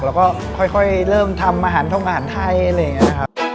เราก็เริ่มทำอาหารเท้าอาหารไทย